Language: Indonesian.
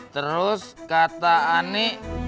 terus kata anik